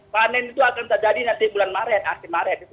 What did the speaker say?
panen itu akan terjadi nanti bulan maret akhir maret itu